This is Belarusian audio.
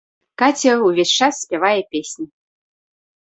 Каця ўвесь час спявае песні.